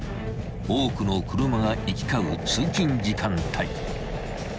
［多くの車が行き交う通勤時間帯］